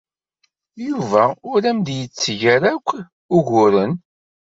Yuba ur am-d-yetteg ara akk uguren.